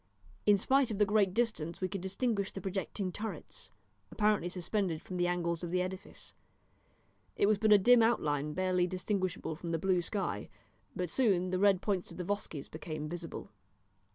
In spite of the great distance we could distinguish the projecting turrets, apparently suspended from the angles of the edifice. It was but a dim outline barely distinguishable from the blue sky, but soon the red points of the Vosges became visible.